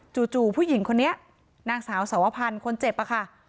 จู่ผู้หญิงคนนี้นางสาวสวพันธ์คนเจ็บอะค่ะ